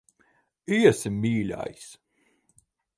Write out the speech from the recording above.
Iesim, mīļais.